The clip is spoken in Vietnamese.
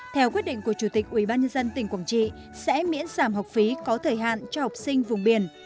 theo quyết định của chủ tịch ubnd tỉnh quảng trị sẽ miễn giảm học phí có thời hạn cho học sinh vùng biển